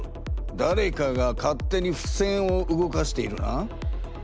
だれかが勝手にふせんを動かしているな。